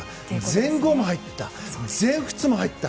全豪も入った、全仏も入った。